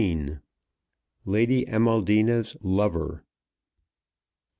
LADY AMALDINA'S LOVER.